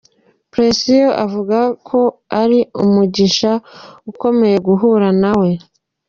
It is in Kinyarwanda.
Precious avuga ko ari umugisha ukomeye guhura nawe.